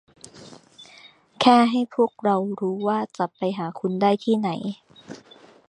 แค่ให้พวกเรารู้ว่าจะหาคุณได้ที่ไหน